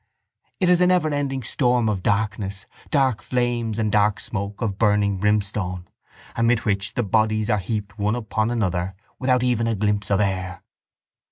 It is a neverending storm of darkness, dark flames and dark smoke of burning brimstone, amid which the bodies are heaped one upon another without even a glimpse of air.